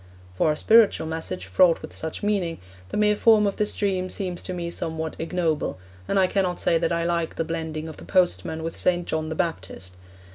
For a spiritual message fraught with such meaning, the mere form of this dream seems to me somewhat ignoble, and I cannot say that I like the blending of the postman with St. John the Baptist.